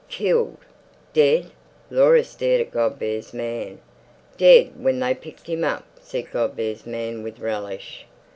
Killed." "Dead!" Laura stared at Godber's man. "Dead when they picked him up," said Godber's man with relish.